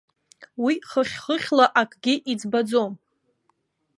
Уи хыхь-хыхьла акгьы иӡбаӡом.